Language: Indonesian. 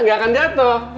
gak akan jatuh